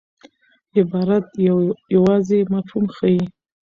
عبارت یوازي مفهوم ښيي.